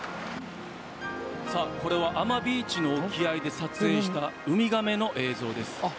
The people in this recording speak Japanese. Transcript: これは阿真ビーチの沖合で撮影したウミガメの映像です。